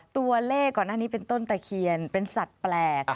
ตัวเลขก่อนหน้านี้เป็นต้นตะเคียนเป็นสัตว์แปลก